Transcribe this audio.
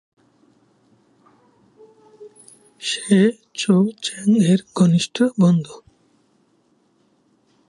সে Cho Chang এর ঘনিষ্ঠ বন্ধু।